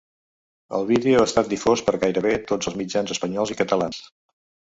El vídeo ha estat difós per gairebé tots els mitjans espanyols i catalans.